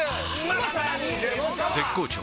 絶好調！！